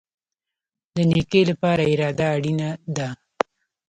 د نیکۍ لپاره اراده اړین ده